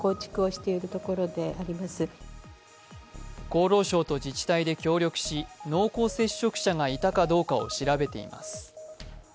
厚労省と自治体で協力し、濃厚接触者がいたかどうかを調べています。